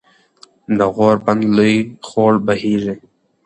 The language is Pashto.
د غوربند لوے خوړ بهېږي